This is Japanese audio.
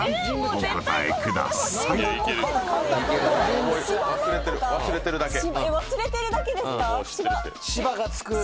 お答えください］忘れてるだけですか？